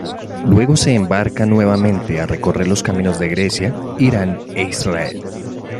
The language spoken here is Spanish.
Luego se embarca nuevamente a recorrer los caminos de Grecia, Irán e Israel.